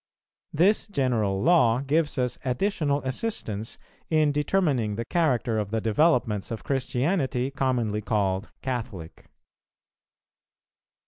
This general law gives us additional assistance in determining the character of the developments of Christianity commonly called Catholic.